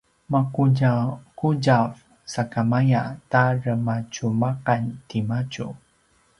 maqutjaqutjav sakamaya ta rematjumaqan timadju